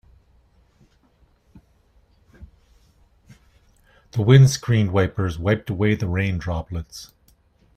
The windscreen wipers wiped away the rain droplets.